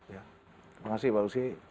terima kasih mbak usy